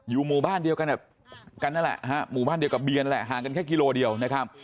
หมู่บ้านเดียวกันนั่นแหละฮะหมู่บ้านเดียวกับเบียนแหละห่างกันแค่กิโลเดียวนะครับ